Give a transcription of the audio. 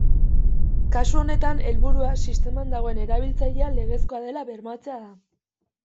Kasu honetan, helburua, sisteman dagoen erabiltzailea legezkoa dela bermatzea da.